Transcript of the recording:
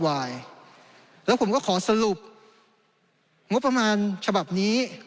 วายแล้วผมก็ขอสรุปงบประมาณฉบับนี้